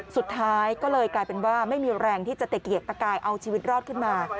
สุดท้ายก็เลยกลายเป็นว่าไม่มีแรงที่จะตะเกียกตะกายเอาชีวิตรอดขึ้นมา